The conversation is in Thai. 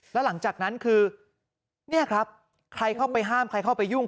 แล้วหลังจากนั้นคือเนี่ยครับใครเข้าไปห้ามใครเข้าไปยุ่ง